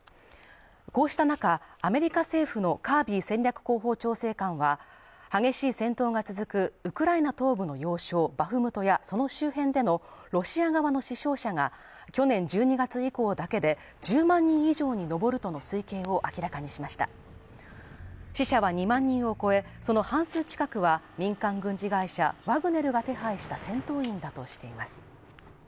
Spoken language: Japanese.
こうした中、アメリカ政府のカービー戦略広報調整官は激しい戦闘が続くウクライナ東部の要衝バフムトやその周辺でのロシア側の死傷者が去年１２月以降だけで１０万人以上に上るとの推計を明らかにしました死者は２万人を超え、その半数近くは民間軍事会社ワグネルが手配した戦闘員だとしています。